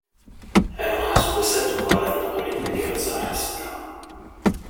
Ɛelqeɣ aseggas-a dekkeṛ i tneqlin deg Iɣzeṛ Ḥesna.